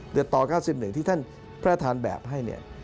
เดือดต๙๑ที่ท่านพระทานแบบให้